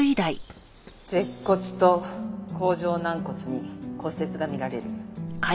舌骨と甲状軟骨に骨折が見られる。